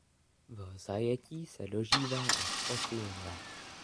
V zajetí se dožívá až osmi let.